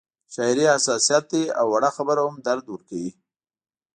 شاعري حساسیت دی او وړه خبره هم درد ورکوي